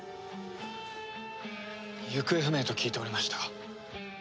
行方不明と聞いておりましたが。